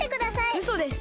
うそです。